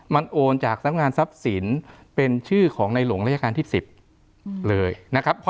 มันโอนจากสำงานทรัพย์สินเป็นชื่อของในหลวงราชการที่๑๐เลยนะครับ